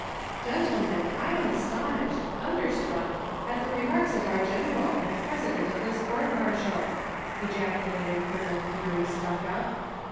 "" Gentlemen, I am astonished, thunderstruck, at the re marks of our general, and ])resident of tliis court martial." ejaculated Colonel Fury Stucku]).